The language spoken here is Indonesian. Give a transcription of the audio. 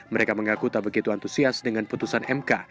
mereka mengaku tak begitu antusias dengan putusan mk